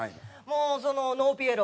もうそのノーピエロ。